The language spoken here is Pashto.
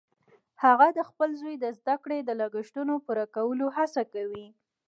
هغه د خپل زوی د زده کړې د لګښتونو پوره کولو هڅه کوي